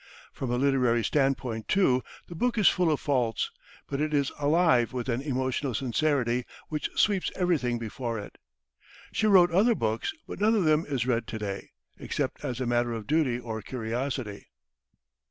From a literary standpoint, too, the book is full of faults; but it is alive with an emotional sincerity which sweeps everything before it. She wrote other books, but none of them is read to day, except as a matter of duty or curiosity.